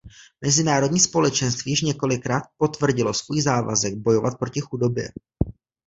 Mezinárodní společenství již několikrát potvrdilo svůj závazek bojovat proti chudobě.